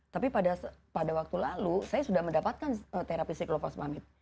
tapi pada waktu lalu saya sudah mendapatkan terapi psikloposmamid